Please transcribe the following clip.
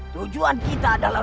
tujuan kita adalah